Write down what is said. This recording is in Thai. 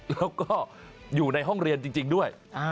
แล้วก็อยู่ในห้องเรียนจริงด้วย